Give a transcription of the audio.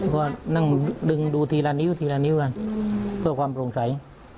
ก็นั่งดึงดูทีละนิ้วทีละนิ้วกันเพื่อความโปร่งใส